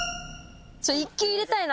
１球入れたいな。